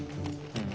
うん。